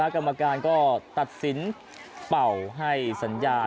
กรรมการก็ตัดสินเป่าให้สัญญา